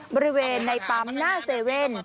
บริเวณในปั๊มหน้าเซเว่น